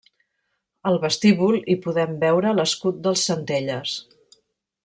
Al vestíbul, hi podem veure l'escut dels Centelles.